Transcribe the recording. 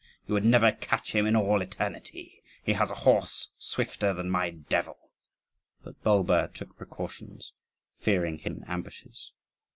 You would never catch him to all eternity; he has a horse swifter than my Devil." But Bulba took precautions, fearing hidden ambushes.